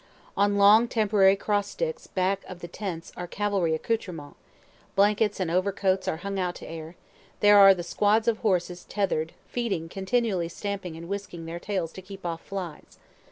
On long temporary cross sticks back of the tents are cavalry accoutrements blankets and overcoats are hung out to air there are the squads of horses tether'd, feeding, continually stamping and whisking their tails to keep off flies.